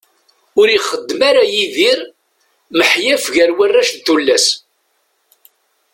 Ur ixeddem ara Yidir maḥyaf gar warrac d tullas.